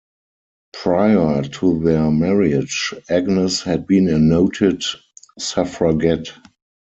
Prior to their marriage, Agnes had been a noted Suffragette.